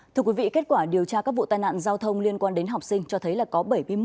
thưa quý vị kết quả điều tra các vụ tai nạn giao thông liên quan đến học sinh cho thấy là có bảy mươi một